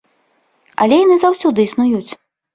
Але яны заўсёды існуюць.